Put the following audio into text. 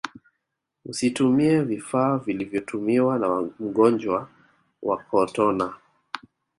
usitumie vifaa vilivyotumiwa na mgonjwa wa kotona